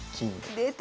出た！